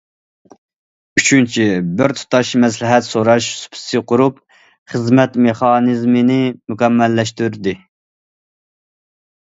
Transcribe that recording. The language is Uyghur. ئۈچىنچى، بىر تۇتاش مەسلىھەت سوراش سۇپىسى قۇرۇپ، خىزمەت مېخانىزمىنى مۇكەممەللەشتۈردى.